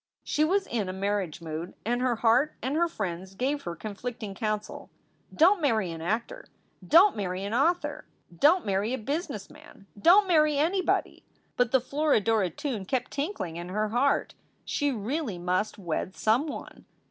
She was in a marriage mood and her heart and her friends gave her conflicting counsel: Don t marry an actor! Don t marry an author! Don t marry a business man! Don t marry anybody! But the "Florodora" tune kept tinkling in her heart. She really must wed some one.